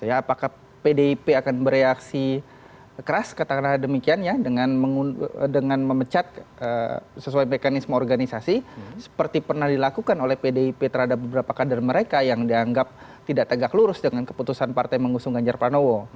apakah pdip akan bereaksi keras katakanlah demikian ya dengan memecat sesuai mekanisme organisasi seperti pernah dilakukan oleh pdip terhadap beberapa kader mereka yang dianggap tidak tegak lurus dengan keputusan partai mengusung ganjar pranowo